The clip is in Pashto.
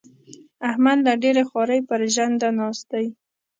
احمد له ډېرې خوارۍ؛ پر ژنده ناست دی.